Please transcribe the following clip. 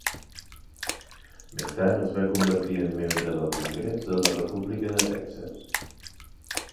Més tard es va convertir en membre del Congrés de la República de Texas.